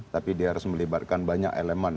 tapi dia harus melibatkan banyak elemen